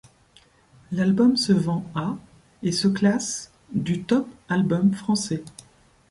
L'album se vend à et se classe du top albums français.